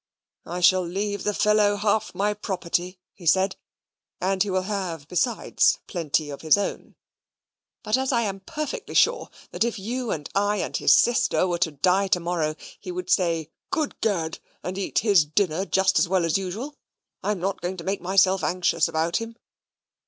"I shall leave the fellow half my property," he said; "and he will have, besides, plenty of his own; but as I am perfectly sure that if you, and I, and his sister were to die to morrow, he would say 'Good Gad!' and eat his dinner just as well as usual, I am not going to make myself anxious about him.